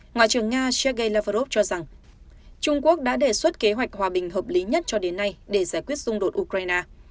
ngoại trưởng nga sergei lavrov cho rằng trung quốc đã đề xuất kế hoạch hòa bình hợp lý nhất cho đến nay để giải quyết xung đột ukraine